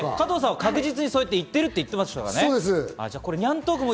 加藤さんは確実にそう言ってるって言ってましたからね。